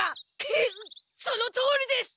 くっそのとおりです！